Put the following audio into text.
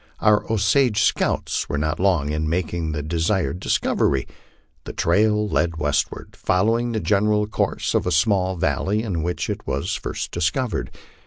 Our Osage scouts were not long in making the desired discov ery. The trail led westward, following the general course of a small valley in which it was first discovered.